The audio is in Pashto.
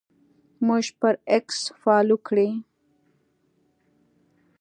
موږ پر اکس فالو کړئ